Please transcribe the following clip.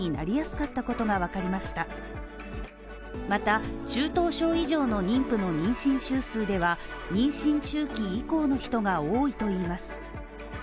また、中等症以上の妊婦の妊娠週数では妊娠中期以降の人が多いといいます。